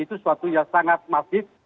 itu suatu yang sangat masif